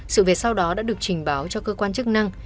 sự việc sau đó đã được trình báo cho cơ quan chức năng